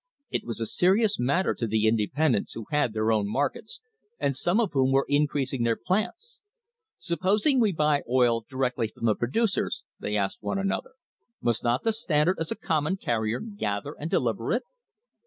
It was a serious matter to the independents, who had their own markets, and some of whom were increasing their plants. Supposing we buy oil directly from the producers, they asked one another, must not the Standard as a common carrier gather and deliver it?